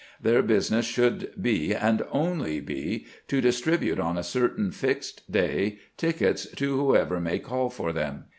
Their business should be, and only be, to distribute on a certain fixed day tickets to whoever may call for them.